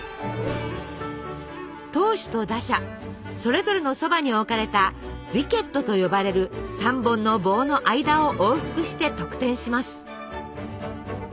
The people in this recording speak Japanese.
投手と打者それぞれのそばに置かれた「ウィケット」と呼ばれる３本の棒の間を往復して得点します。